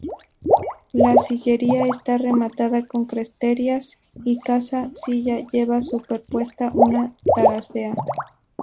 La sillería está rematada con cresterías y cada silla lleva superpuesta una taracea.